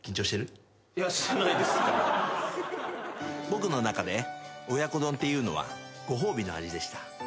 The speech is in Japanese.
僕の中で親子丼っていうのはご褒美の味でした。